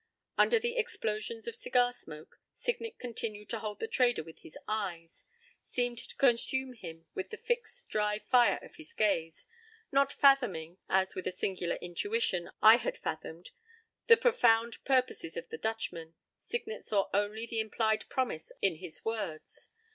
p> Under the explosions of cigar smoke, Signet continued to hold the trader with his eyes; seemed to consume him with the fixed, dry fire of his gaze. Not fathoming, as with a singular intuition I had fathomed, the profound purposes of the Dutchman, Signet saw only the implied promise in his words.